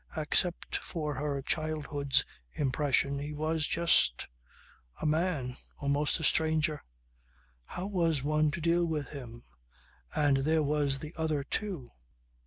Except for her childhood's impressions he was just a man. Almost a stranger. How was one to deal with him? And there was the other too.